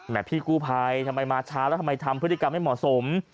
พี่กู้ภัยทำไมมาช้าแล้วทำไมทำพฤติกรรมไม่เหมาะสม